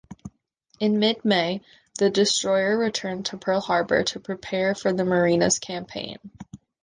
In mid-May, the destroyer returned to Pearl Harbor to prepare for the Marianas campaign.